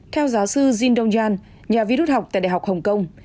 theo giáo sư jin dong jan nhà vi đút học tại đại học hồng kông